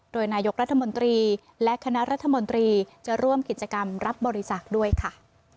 โดยนายกรัฐมนตรีและคณะรัฐมนตรีจะร่วมกิจกรรมรับบริจาคด้วยค่ะ